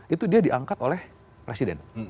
itu dia diangkat oleh presiden